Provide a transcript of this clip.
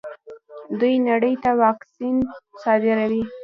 دوی نړۍ ته واکسین صادروي.